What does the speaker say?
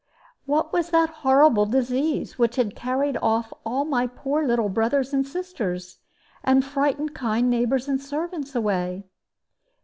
What was that horrible disease which had carried off all my poor little brothers and sisters, and frightened kind neighbors and servants away?